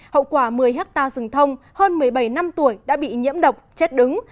hậu quả một mươi hectare rừng thông hơn một mươi bảy năm tuổi đã bị nhiễm độc chết đứng